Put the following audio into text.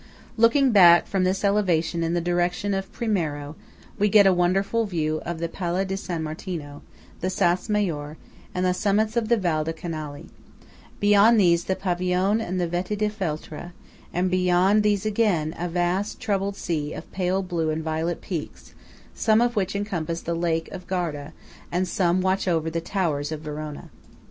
Looking back from this elevation in the direction of Primiero, we get a wonderful view of the Palle di San Martino, the Sas Maor, and the summits of the Val di Canali; beyond these the Pavione and the Vette di Feltre; and beyond these again, a vast troubled sea of pale blue and violet peaks some of which encompass the lake of Garda, and some watch over the towers of Verona.